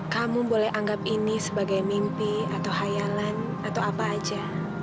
kamu boleh anggap ini sebagai mimpi atau hayalan atau apa aja